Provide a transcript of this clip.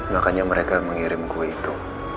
makanya mereka mengirim kue itu